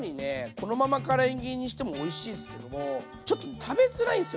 このままから揚げにしてもおいしいんすけどもちょっと食べづらいんですよ。